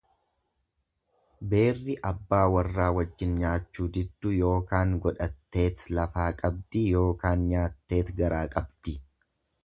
Beerri abbaa warra wajjin nyaachuu diddu yookaan godhatteet lafaa qabdi, yookaan nyaatteeti garaa qabdi.